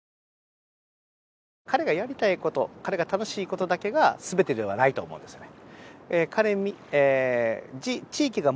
彼がやりたいこと彼が楽しいことだけが全てではないと思うんですよね。